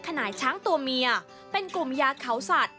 นายช้างตัวเมียเป็นกลุ่มยาเขาสัตว